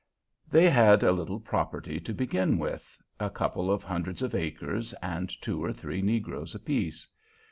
They had a little property to begin with, a couple of hundreds of acres, and two or three negroes apiece.